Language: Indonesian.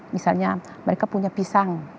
misalnya mereka punya pisang